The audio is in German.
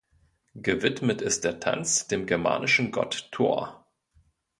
Gewidmet ist der Tanz dem germanischen Gott Thor.